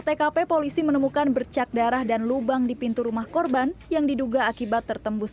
tkp polisi menemukan bercak darah dan lubang di pintu rumah korban yang diduga akibat tertembus